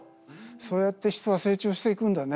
そうやって人は成長していくんだね。